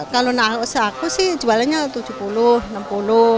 kalau seaku sih jualannya rp tujuh puluh rp enam puluh rp enam puluh lima